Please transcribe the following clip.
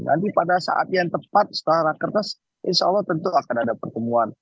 nanti pada saat yang tepat setelah rakernas insya allah tentu akan ada pertemuan